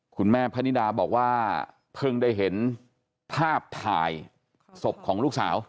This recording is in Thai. คุณแม่พนิดาบอกว่าเพิ่งได้เห็นภาพถ่ายศพของลูกสาว